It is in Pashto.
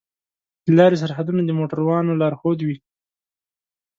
د لارې سرحدونه د موټروانو لارښود وي.